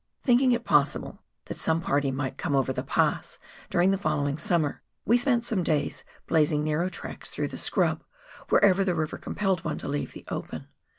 Thinking it possible 284 PIONEER WORK IN THE ALPS OF NEW ZEALAND. that some party might come over the pass during the following summer, we spent some days blazing narrow tracks through the scrub, wherever the river compelled one to leave the open.